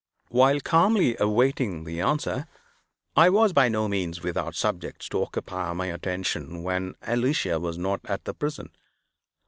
While calmly awaiting the answer, I was by no means without subjects to occupy my attention when Alicia was not at the prison.